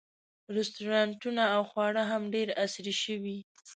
رسټورانټونه او خواړه هم ډېر عصري شوي.